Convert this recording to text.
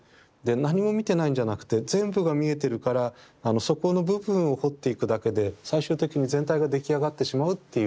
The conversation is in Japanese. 何も見てないんじゃなくて全部が見えてるからそこの部分を彫っていくだけで最終的に全体が出来上がってしまうっていう。